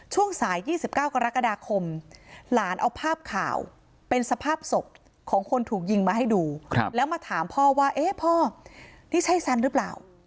ช่วงสาย๒๙กรกฎาคมหลานเอาภาพข่าวเป็นสภาพศพของคนถูกยิงมาให้ดูแล้วมาถามพ่อว่าเอ๊ะพ่อนี่ใช่ซันหรือเปล่า